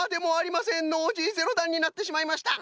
ノージー０だんになってしまいました。